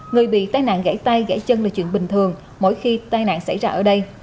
người bị tai nạn gãy tay gãy chân là chuyện bình thường mỗi khi tai nạn xảy ra ở đây